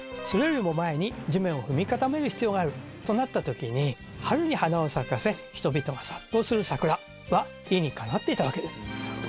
それよりも前に地面を踏み固める必要があるとなった時に春に花を咲かせ人々が殺到する桜は理にかなっていたわけです。